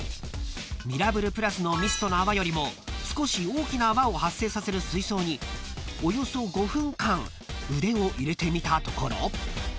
［ミラブルプラスのミストの泡よりも少し大きな泡を発生させる水槽におよそ５分間腕を入れてみたところ］